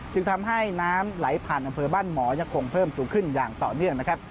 จึงทำให้น้ำไหลผ่านอำเภอบ้านหมอยังคงเพิ่มสูงขึ้นอย่างต่อเนื่องนะครับ